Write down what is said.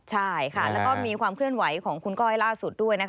ใช่ค่ะมีความเคลื่อนไหวของก้อยล่าสุดด้วย